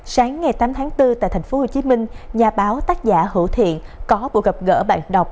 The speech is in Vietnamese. sáng ngày tám tháng bốn tại tp hcm nhà báo tác giả hữu thiện có buổi gặp gỡ bạn đọc